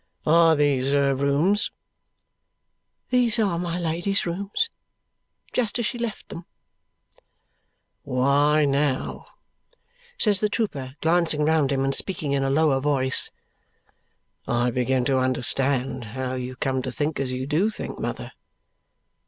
"Are these her rooms?" "These are my Lady's rooms, just as she left them." "Why, now," says the trooper, glancing round him and speaking in a lower voice, "I begin to understand how you come to think as you do think, mother.